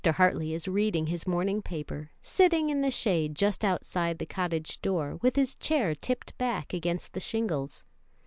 Hartley is reading his morning paper, sitting in the shade just outside the cottage door, with his chair tipped back against the shingles.